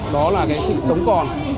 đó là cái sự sống còn